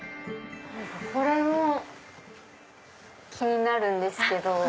これも気になるんですけど。